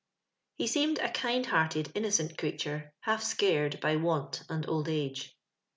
He seemed a kind hearted, innocent creature, half scared by want and old a^e.